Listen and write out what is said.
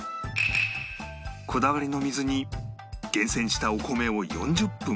こだわりの水に厳選したお米を４０分浸し